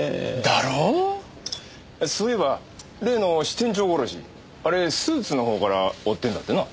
あそういえば例の支店長殺しあれスーツのほうから追ってんだってな。